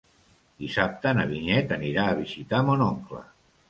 Dissabte na Vinyet anirà a visitar mon oncle.